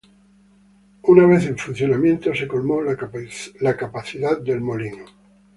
Una vez en funcionamiento, se colmó la capacidad del molino.